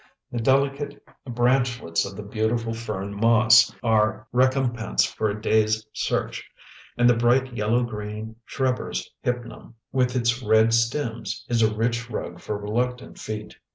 The delicate branchlets of the beautiful fern moss are recompense for a day's search, and the bright yellow green Schreber's Hypnum, with its red stems, is a rich rug for reluctant feet.